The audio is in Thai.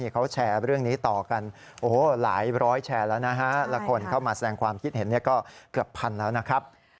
เกือบพันแล้วนะครับ